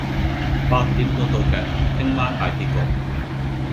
八點半嗰套劇聽晚大結局